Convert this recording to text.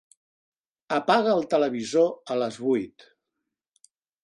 Apaga el televisor a les vuit.